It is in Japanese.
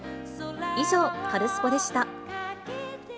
以上、カルスポっ！でした。